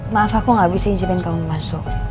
maaf aku gak bisa izinin kamu masuk